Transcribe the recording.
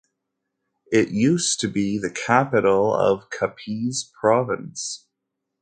It used to be the Capital of Capiz Province.